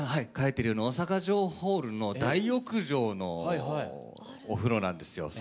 大阪城ホールの大浴場のお風呂なんですよ。